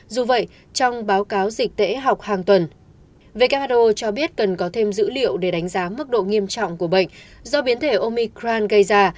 dù vậy trong báo cáo dịch tễ học hàng tuần who cho biết cần có thêm dữ liệu để đánh giá mức độ nghiêm trọng của bệnh do biến thể omicran gây ra